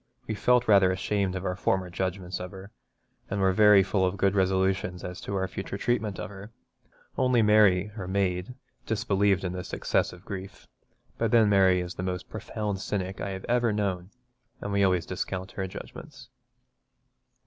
We felt rather ashamed of our former judgments of her, and were very full of good resolutions as to our future treatment of her. Only Mary, our maid, disbelieved in this excessive grief; but then Mary is the most profound cynic I have ever known, and we always discount her judgments.